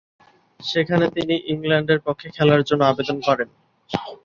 সেখানে তিনি ইংল্যান্ডের পক্ষে খেলার জন্য আবেদন করেন।